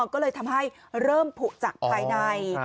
ก็เลยทำให้เริ่มผุจากภายใน